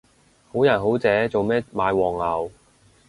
好人好姐做咩買黃牛